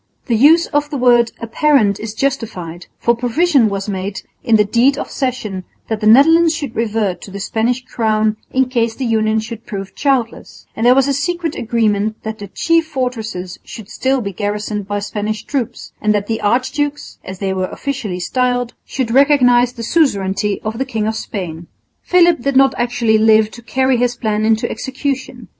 The use of the word "apparent" is justified, for provision was made in the deed of cession that the Netherlands should revert to the Spanish crown in case the union should prove childless; and there was a secret agreement that the chief fortresses should still be garrisoned by Spanish troops and that the archdukes, as they were officially styled, should recognise the suzerainty of the King of Spain. Philip did not actually live to carry his plan into execution.